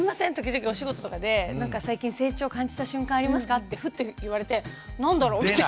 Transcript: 時々お仕事とかで「最近成長を感じた瞬間ありますか」ってふっと言われて何だろうみたいな。